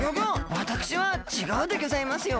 わたくしはちがうでギョざいますよ！